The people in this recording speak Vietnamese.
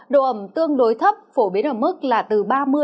độ ẩm tương đối thấp phổ biến ở mức là từ ba mươi ba mươi năm